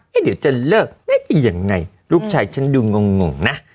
เอ๊ะเดี๋ยวเจนเลิกน่ะยังไงลูกชายฉันดูงงงงงนะ